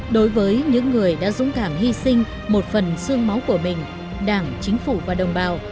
đối với những người đã dũng cảm hy sinh một phần sương máu của mình đảng chính phủ và đồng bào